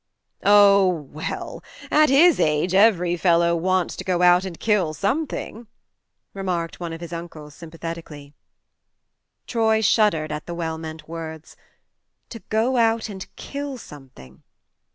" Oh, we'll at his age every fellow wants to go out and kill something," remarked one of his uncles sympatheti cally. Troy shuddered at the well meant words. To go out and kill something